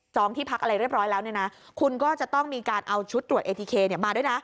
ที่พักอะไรเรียบร้อยแล้วเนี่ยนะคุณก็จะต้องมีการเอาชุดตรวจเอทีเคมาด้วยนะ